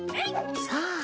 さあ。